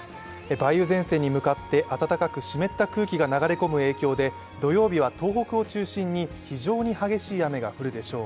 梅雨前線に向かって暖かく湿った空気が流れ込む影響で、土曜日は東北を中心に非常に激しい雨が降るでしょう。